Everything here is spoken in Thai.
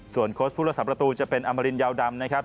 ส่วนโค้ชผู้รักษาประตูจะเป็นอมรินยาวดำนะครับ